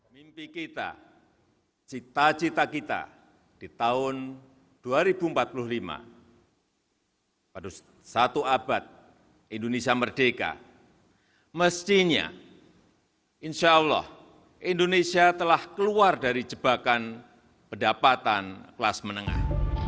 mimpi kita cita cita kita di tahun dua ribu empat puluh lima pada satu abad indonesia merdeka mestinya insya allah indonesia telah keluar dari jebakan pendapatan kelas menengah